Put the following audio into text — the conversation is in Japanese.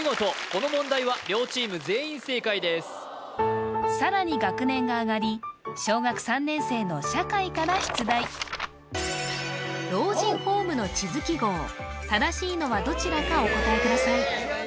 この問題は両チーム全員正解ですさらに学年が上がり小学３年生の社会から出題どちらかお答えください